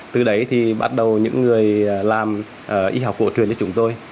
từ đấy thì bắt đầu những người làm y học cổ truyền cho chúng tôi